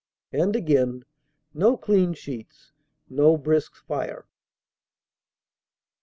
And again, no clean sheets, no brisk fire.